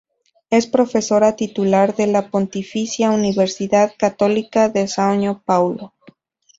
Es profesora titular de la Pontificia Universidad Católica de São Paulo.